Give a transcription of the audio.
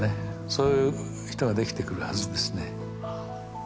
そういう人ができてくるはずですね。